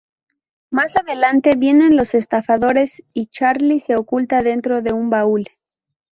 Más adelante vienen los estafadores y Charlie se oculta dentro de un baúl.